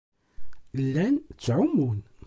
Llan ttɛumun.